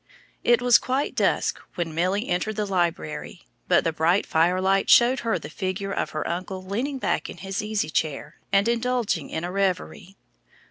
It was quite dusk when Milly entered the library, but the bright firelight showed her the figure of her uncle leaning back in his easy chair, and indulging in a reverie.